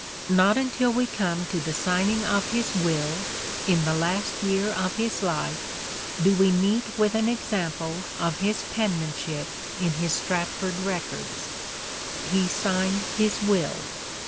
Not until we come to the signing of his will, in the last year of his life, do we meet with an example of his penmanship in his Stratford records. He signed his will.